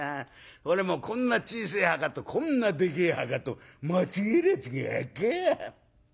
それもこんな小せえ墓とこんなでけえ墓と間違えるやつがあっか？